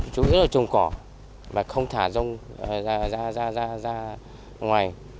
chủ yếu là trồng cỏ mà không thả rông ra ngoài